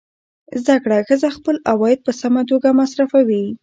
زده کړه ښځه خپل عواید په سمه توګه مصرفوي.